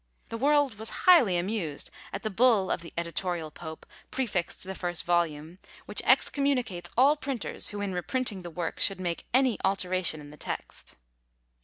The world was highly amused at the bull of the editorial Pope prefixed to the first volume, which excommunicates all printers who in reprinting the work should make any alteration in the text!